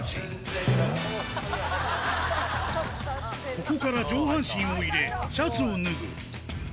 ここから上半身を入れシャツを脱ぐ